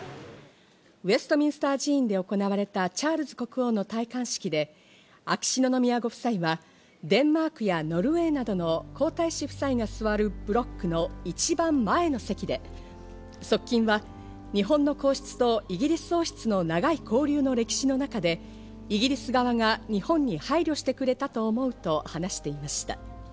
ウェストミンスター寺院で行われたチャールズ国王の戴冠式で、秋篠宮ご夫妻はデンマークやノルウェーなどの皇太子夫妻が座るブロックの一番前の席で側近は日本の皇室とイギリス王室の長い交流の歴史の中で、イギリス側が日本に配慮してくれたと思うと話していました。